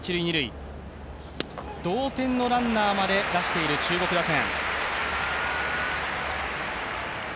同点のランナーまで出している中国打線。